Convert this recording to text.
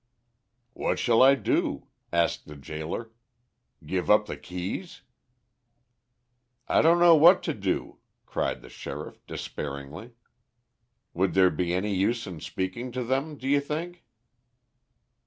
"What shall I do?" asked the gaoler. "Give up the keys?" "I don't know what to do," cried the sheriff, despairingly. "Would there be any use in speaking to them, do you think?"